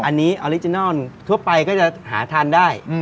อันนี้ออริจินอนทั่วไปก็จะหาทานได้